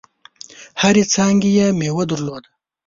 هرې څانګي یې مېوه درلوده .